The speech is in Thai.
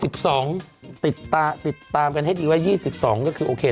ติดตามติดตามกันให้ดีว่า๒๒ก็คือโอเค